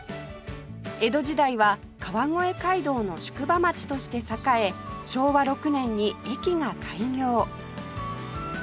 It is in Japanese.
江戸時代は川越街道の宿場町として栄え昭和６年に駅が開業